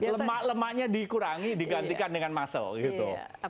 lemak lemaknya dikurangi digantikan dengan muscle gitu